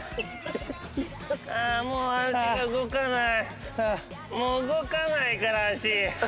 あもう足が動かない。